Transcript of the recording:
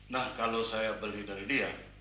nah kalau saya beli dari dia